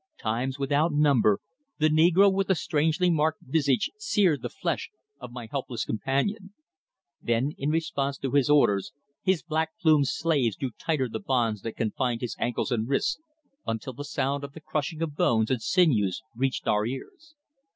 Times without number the negro with the strangely marked visage seared the flesh of my helpless companion; then in response to his orders his black plumed slaves drew tighter the bonds that confined his ankles and wrists until the sound of the crushing of bones and sinews reached our ears.